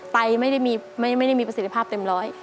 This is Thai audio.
ไตไม่ได้มีประสิทธิภาพเต็มร้อย